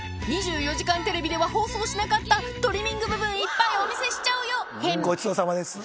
２４時間テレビでは放送しなかったトリミング場面いっぱいお見せしちゃうよ編。